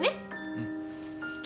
うん。